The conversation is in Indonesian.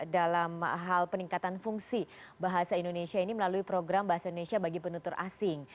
dalam hal peningkatan fungsi bahasa indonesia ini melalui program bahasa indonesia bagi penutur asing